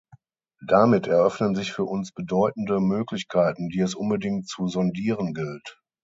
Damit eröffnen sich für uns bedeutende Möglichkeiten, die es unbedingt zu sondieren gilt.